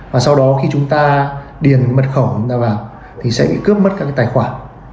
và sau đó khi chúng ta điền mật khẩu của chúng ta vào thì sẽ bị cướp mất các cái tài khoản